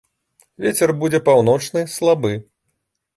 Вецер будзе паўночны слабы.